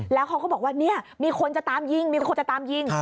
แล้วเขาก็บอกว่าเนี่ยมีคนจะตามยิงมีคนจะตามยิง